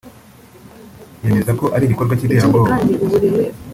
yemeza ko ari igikorwa cy’iterabwoba